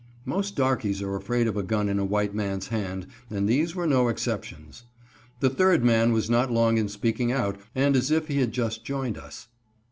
Most darkies are afraid of a gun in a white man's hand, and these were no exceptions. The third man was not long in speaking out, and as if he had just joined us.